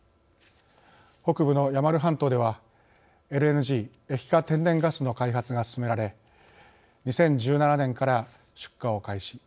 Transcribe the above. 北部のヤマル半島ではＬＮＧ液化天然ガスの開発が進められ２０１７年から出荷を開始。